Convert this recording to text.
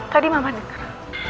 tadi mama denger